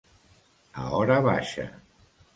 A hora baixa.